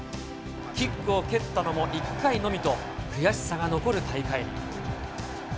キックを蹴ったのも１回のみと、悔しさが残る大会に。